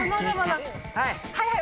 はいはい！